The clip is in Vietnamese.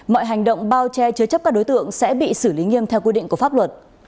mọi hành động bao che chứa chấp các đối tượng sẽ bị xử lý nghiêm theo quy định của pháp luật